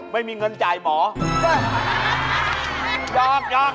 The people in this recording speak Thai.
ไม่มีเงินจ่ายหมอ